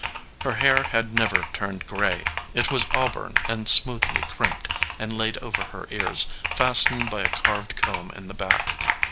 Her hair had never turned gray. It was auburn and smoothly crimped, and laid over her ears, fastened by a carved comb in the back.